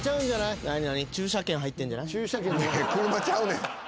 車ちゃうねん。